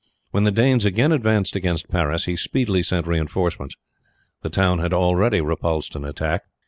When the Danes again advanced against Paris he speedily sent reinforcements. The town had already repulsed an attack.